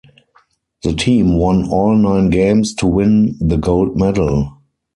The team won all nine games to win the gold medal.